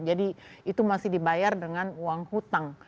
jadi itu masih dibayar dengan uang hutang